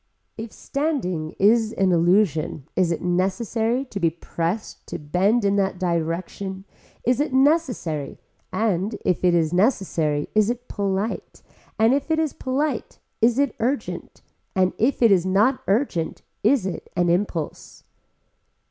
If standing is an illusion is it necessary to be pressed to bend in that direction is it necessary and if it is necessary is it polite and if it is polite is it urgent and if it is not urgent is it an impulse.